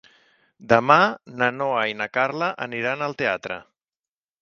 Demà na Noa i na Carla aniran al teatre.